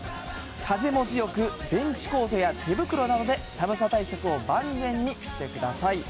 風も強く、ベンチコートや手袋などで寒さ対策を万全にしてください。